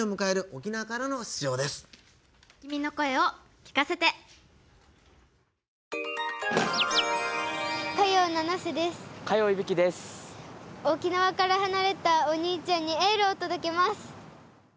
沖縄から離れたお兄ちゃんにエールを届けます！